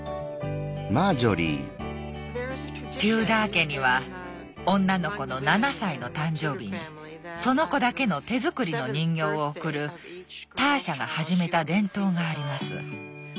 テューダー家には女の子の７歳の誕生日にその子だけの手作りの人形を贈るターシャが始めた伝統があります。